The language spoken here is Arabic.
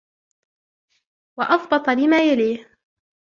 وَأَضْبَطَ لِمَا يَلِيهِ